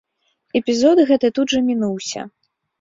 Эпізод гэты тут жа мінуўся.